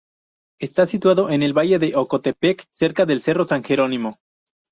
Está situado en el Valle de Ocotepeque, cerca del cerro San Jerónimo.